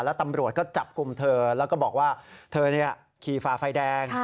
แล้วตำรวจก็จับกลุ่มเธอแล้วก็บอกว่าเธอขี่ฝ่าไฟแดง